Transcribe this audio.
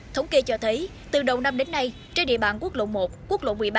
thống kê cho thấy từ đầu năm đến nay trên địa bàn quốc lộ một quốc lộ một mươi ba